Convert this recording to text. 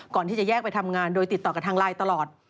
ก่อนที่จะแยกไปทำงานโดยติดต่อกับทางไลน์ตลอด